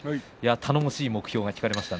頼もしい目標が聞かれましたね。